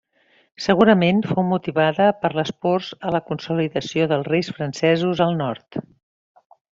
Segurament fou motivada per les pors a la consolidació dels reis francesos al nord.